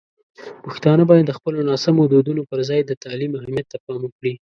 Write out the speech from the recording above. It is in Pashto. پښتانه باید د خپلو ناسمو دودونو پر ځای د تعلیم اهمیت ته پام وکړي.